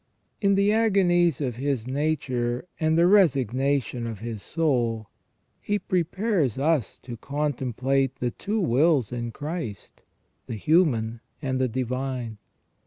In the agonies of his nature and the resignation of his soul he prepares us to contem plate the two wills in Christ, the human and the divine.